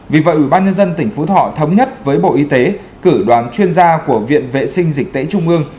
vì vậy ubnd tỉnh phú thọ thống nhất với bộ y tế cử đoàn chuyên gia của viện vệ sinh dịch tễ trung ương